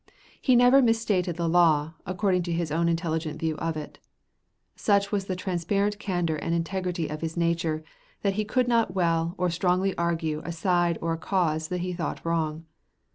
He never misstated the law, according to his own intelligent view of it. Such was the transparent candor and integrity of his nature, that he could not well or strongly argue a side or a cause that he thought wrong.